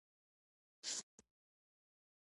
افغانستان د تاریخ په اړه علمي څېړنې لري.